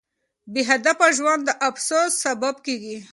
بې هدفه ژوند د افسوس سبب کیږي.